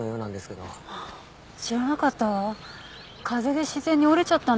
知らなかったわ。